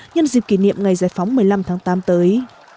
nhân dịp kỷ niệm ngày giải phóng một mươi năm tháng tám tới